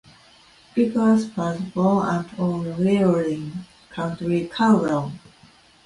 Vigors was born at Old Leighlin, County Carlow.